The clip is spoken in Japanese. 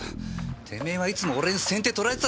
てめえはいつも俺に先手取られてたろ。